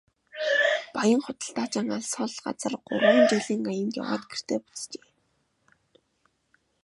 Баян худалдаачин алс хол газар гурван жилийн аянд яваад гэртээ буцаж иржээ.